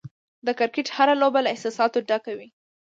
د کرکټ هره لوبه له احساساتو ډکه وي.